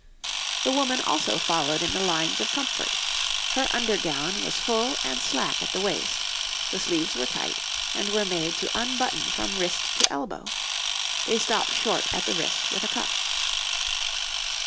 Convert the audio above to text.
The woman also followed in the lines of comfort: her under gown was full and slack at the waist, the sleeves were tight, and were made to unbutton from wrist to elbow; they stopped short at the wrist with a cuff.